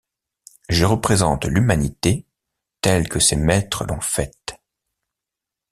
Je représente l’humanité telle que ses maîtres l’ont faite.